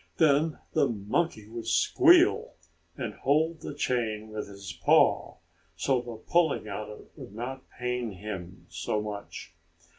Then the monkey would squeal, and hold the chain with his paw, so the pulling on it would not pain him so much.